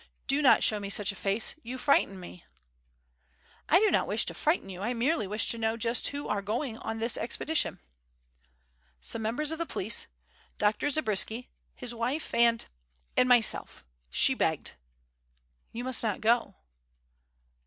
Do not show me such a face you frighten me " "I do not wish to frighten you. I merely wish to know just who are going on this expedition." "Some members of the police, Dr. Zabriskie, his wife, and and myself. She begged " "You must not go."